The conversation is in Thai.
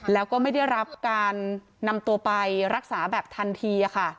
แล้วก็ไม่ได้รับการนำตัวไปรักษาแบบทันทีค่ะ